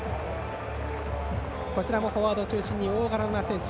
こちらもフォワードを中心に大柄な選手。